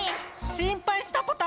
しんぱいしたポタ。